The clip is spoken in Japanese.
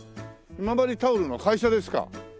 今治タオルの会社ですか？